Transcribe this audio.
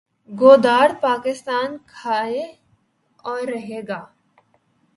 گودار پاکستان کاھے اور رہے گا